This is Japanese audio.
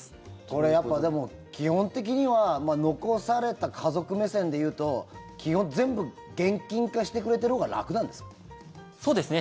これ、でも基本的には残された家族目線で言うと基本、全部現金化してくれているほうがそうですね。